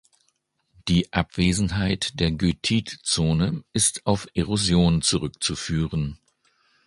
Die Abwesenheit der Goethit-Zone ist auf Erosion zurückzuführen.